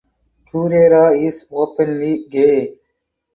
Guerrera is openly gay.